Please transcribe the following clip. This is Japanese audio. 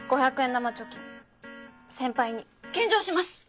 玉貯金先輩に献上します。